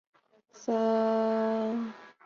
该剪辑版与原版比起评价较佳。